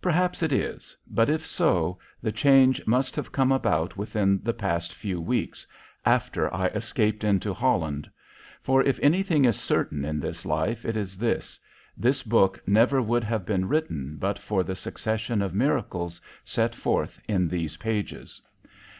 Perhaps it is, but if so, the change must have come about within the past few weeks after I escaped into Holland. For if anything is certain in this life it is this: this book never would have been written but for the succession of miracles set forth in these pages.